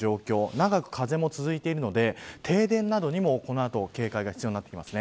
長く風も続いているので停電などにもこの後警戒が必要になってきます。